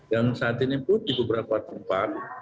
dan saat ini pun di beberapa tempat